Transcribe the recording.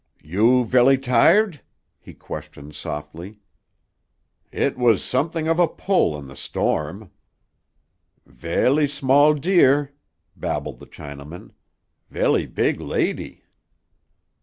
"You velly tired?" he questioned softly. "It was something of a pull in the storm." "Velly small deer," babbled the Chinaman, "velly big lady."